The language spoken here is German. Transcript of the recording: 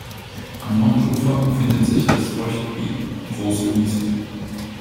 Am Nordufer befindet sich das Feuchtgebiet "Große Wiese".